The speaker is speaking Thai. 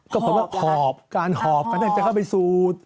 ก็พอว่าหอบการหอบการให้เชื้อเข้าไปสูด